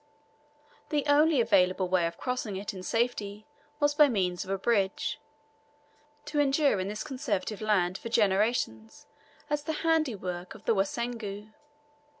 The only available way of crossing it in safety was by means of a bridge, to endure in this conservative land for generations as the handiwork of the Wasungu.